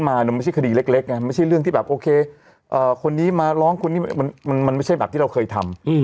มันไม่ใช่เรื่องที่แบบโอเคคนนี้มาร้องคนนี้มันไม่ใช่แบบที่เราเคยทำ